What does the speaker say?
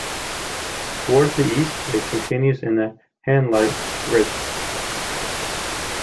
Towards the east it continues in the Hainleite ridge.